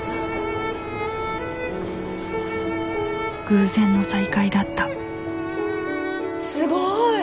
偶然の再会だったすごい！